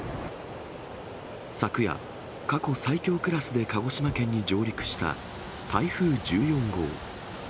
昨夜、過去最強クラスで鹿児島県に上陸した台風１４号。